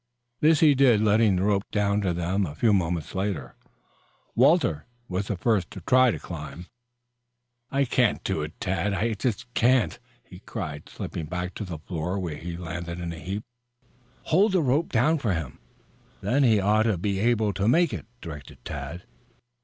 This he did, letting the rope down to them a few moments later. Walter was the first to try the climb. "I can't do it, Tad. I just can't," he cried, slipping back to the floor where he landed in a heap. "Hold the rope down for him, then he ought to be able to make it," directed Tad.